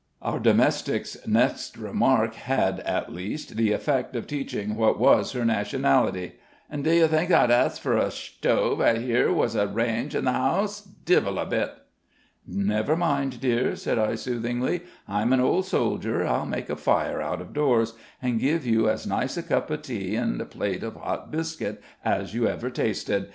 Our domestic's next remark had, at least, the effect of teaching what was her nationality: "An' do ye think that I'd ax fur a sthove av dhere was a range in the house? Dhivil a bit!" "Never mind, dear," said I soothingly; "I'm an old soldier; I'll make a fire out of doors, and give you as nice a cup of tea and plate of hot biscuit as you ever tasted.